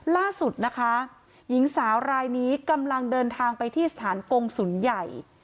ล่าสุดนะคะหญิงสาวรายนี้กำลังเดินทางไปที่สถานกงศูนย์ใหญ่